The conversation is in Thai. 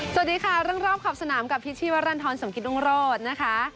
สวัสดีค่ะเรื่องรอบขอบสนามกับพิษชีวรรณฑรสมกิตรุงโรธนะคะ